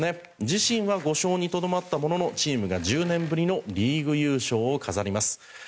自身は５勝にとどまったもののチームが１０年ぶりのリーグ優勝を飾ります。